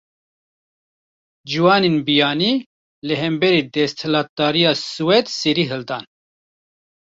Ciwanên biyanî, li hemberî desthilatdariya Swêd serî hildan